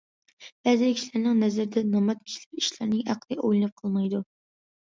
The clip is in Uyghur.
بەزى كىشىلەرنىڭ نەزىرىدە نامرات كىشىلەر ئىشلارنى ئەقلىي ئويلىنىپ قىلمايدۇ.